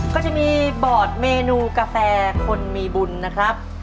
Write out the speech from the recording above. ก็จะมีบอร์ดเมนูกาแฟคนมีบุญนะครับ